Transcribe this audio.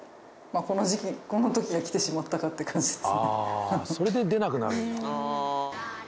このときがきてしまったかって感じですね。